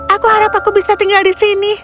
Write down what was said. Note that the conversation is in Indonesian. aku harap aku bisa tinggal di sini